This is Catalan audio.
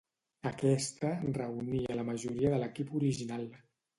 Aquesta reunia la majoria de l'equip original.